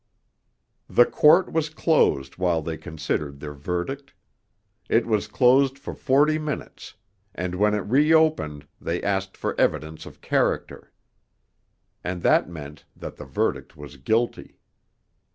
The Court was closed while they considered their verdict; it was closed for forty minutes, and when it reopened they asked for evidence of character. And that meant that the verdict was 'Guilty.'